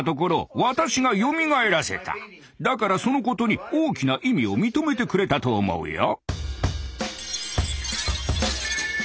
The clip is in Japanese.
だからそのことに大きな意味を認めてくれたと思うよ。